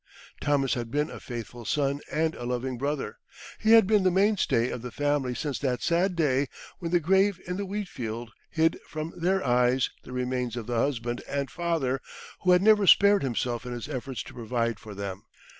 Thomas had been a faithful son and a loving brother. He had been the mainstay of the family since that sad day when the grave in the wheatfield hid from their eyes the remains of the husband and father, who had never spared himself in his efforts to provide for them.